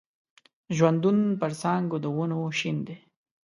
ژوندون پر څانګو د ونو شین دی